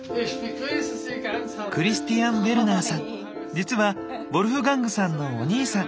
実はヴォルフガングさんのお兄さん。